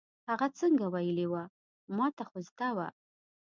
هغه څنګه ویلې وه، ما ته خو زده وه.